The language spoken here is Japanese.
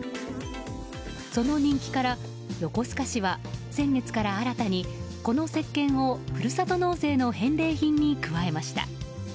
その人気から横須賀市は先月から新たにこの石けんを、ふるさと納税の返礼品に加えました。